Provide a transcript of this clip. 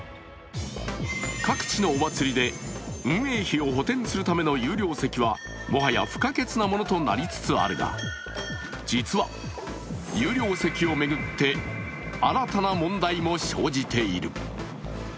各地のお祭りで運営費を補填するための有料席はもはや不可欠なものとなりつつあるが実は、有料席を巡って、新たな問題も生じている。